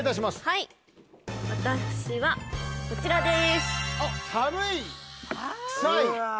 はい私はこちらです。